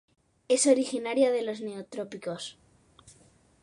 Es originaria de los Neotrópicos.